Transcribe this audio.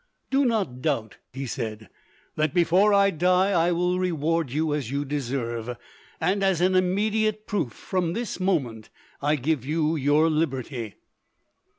"Do not doubt," he said, "that before I die I will reward you as you deserve; and as an immediate proof from this moment I give you your liberty."